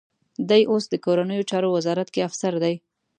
دی اوس د کورنیو چارو وزارت کې افسر دی.